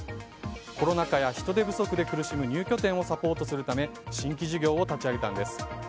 コロナ禍や人手不足で苦しむ入居店をサポートするため新規事業を立ち上げたんです。